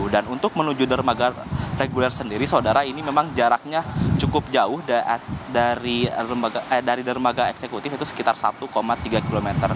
dan untuk menuju dermaga reguler sendiri saudara ini memang jaraknya cukup jauh dari dermaga eksekutif itu sekitar satu tiga km